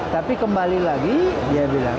tapi kembali lagi dia bilang